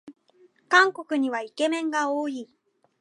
韓国にはイケメンが多い